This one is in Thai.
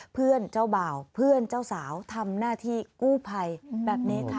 เพื่อนเจ้าบ่าวเพื่อนเจ้าสาวทำหน้าที่กู้ภัยแบบนี้ค่ะ